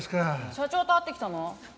社長と会ってきたの？